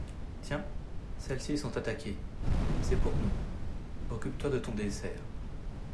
Tiens, celles-ci sont attaquées, c’est pour nous ; occupe-toi de ton dessert.